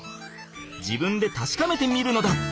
自分でたしかめてみるのだ！